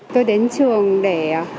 tôi đến trường để